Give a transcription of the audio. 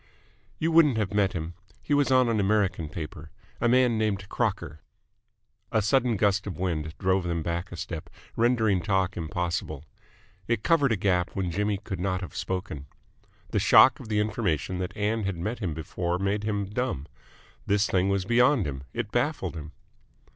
"You wouldn't have met him. He was on an American paper. A man named Crocker." A sudden gust of wind drove them back a step, rendering talk impossible. It covered a gap when Jimmy could not have spoken. The shock of the information that Ann had met him before made him dumb. This thing was beyond him. It baffled him.